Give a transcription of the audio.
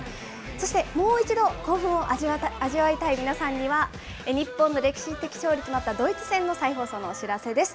そして、もう一度、興奮を味わいたい皆さんには、日本の歴史的勝利となったドイツ戦の再放送のお知らせです。